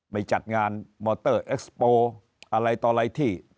ไปจัดงานมอเตอร์เอ็กซ์โปร์อะไรต่ออะไรที่